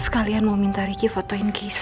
sekalian mau minta riki fotok herhey